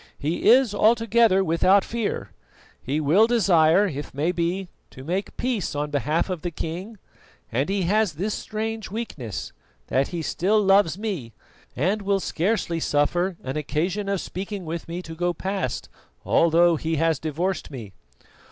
He is altogether without fear; he will desire, if may be, to make peace on behalf of the king; and he has this strange weakness, that he still loves me, and will scarcely suffer an occasion of speaking with me to go past, although he has divorced me."